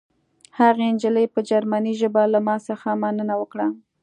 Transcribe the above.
هغې نجلۍ په جرمني ژبه له ما څخه مننه وکړه